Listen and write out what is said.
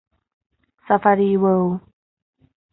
ซาฟารีเวิลด์